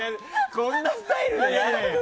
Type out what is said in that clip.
こんなスタイルでやる？